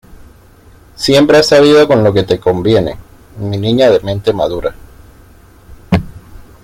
Siempre has sabido lo que te conviene; mi niña de mente madura"".